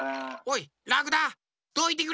おい！